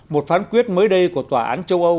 một phán quyết mới đây của tòa án châu âu